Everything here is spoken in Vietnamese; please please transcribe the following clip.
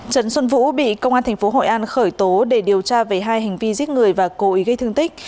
trần xuân vũ bị công an tp hội an khởi tố để điều tra về hai hành vi giết người và cố ý gây thương tích